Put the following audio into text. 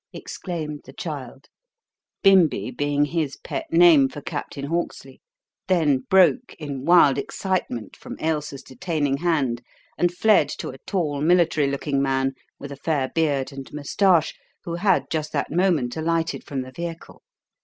exclaimed the child "Bimbi" being his pet name for Captain Hawksley then broke, in wild excitement, from Ailsa's detaining hand and fled to a tall, military looking man with a fair beard and moustache who had just that moment alighted from the vehicle.